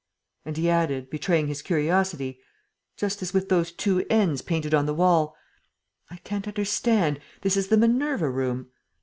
And he added, betraying his curiosity, "Just as with those two 'N's' painted on the wall. ... I can't understand. This is the Minerva Room."